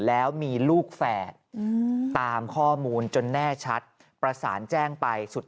แล้วมีลูกแฝด